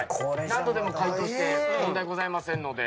何度でも解答して問題ございませんので。